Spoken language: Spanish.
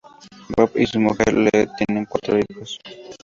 Bob y su mujer, Lee, tienen cuatro hijos.